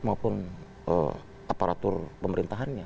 maupun aparatur pemerintahannya